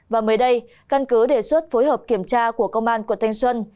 và mới đây căn cứ đề xuất phối hợp kiểm tra của công an quận thanh xuân